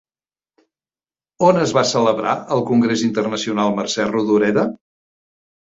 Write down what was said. On es va celebrar el Congrés Internacional Mercè Rodoreda?